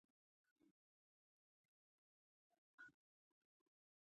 سانتیاګو پوهیږي چې خزانه په سفر کې نه وه.